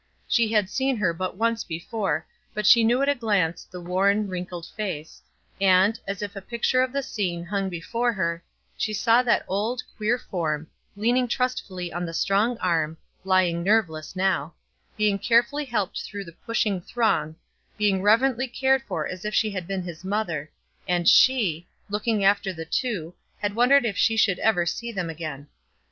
She had seen her but once before, but she knew at a glance the worn, wrinkled face; and, as if a picture of the scene hung before her, she saw that old, queer form, leaning trustfully on the strong arm, lying nerveless now, being carefully helped through the pushing throng being reverently cared for as if she had been his mother; and she, looking after the two, had wondered if she should ever see them again.